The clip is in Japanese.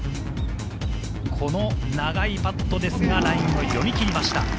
長いパットですが、ラインを読み切りました。